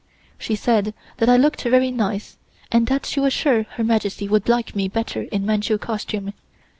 She said that I looked very nice, and that she was sure Her Majesty would like me better in Manchu costume.